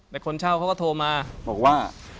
แต่คนเช่าเขาก็โทรมาบอกว่า